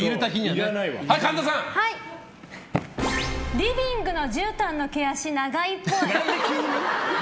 リビングのじゅうたんの毛足永井っぽい。